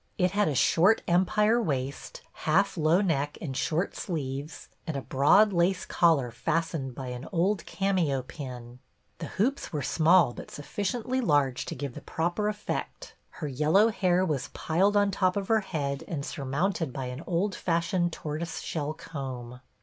It had a short empire waist, half low neck and short sleeves, and a broad lace collar fastened by an old cameo pin; the hoops were small but sufficiently large to give the proper effect; her yellow hair was piled on top of her head and sur A FEAST — NEW TEACHER 171 mounted by an old fashioned tortoise shell comb.